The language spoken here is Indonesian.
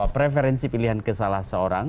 preferensi pilihan ke salah seorang